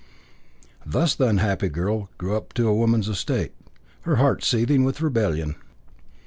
Thus the unhappy girl grew up to woman's estate, her heart seething with rebellion.